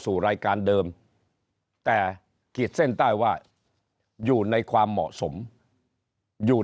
สู่รายการเดิมแต่ขีดเส้นใต้ว่าอยู่ในความเหมาะสมอยู่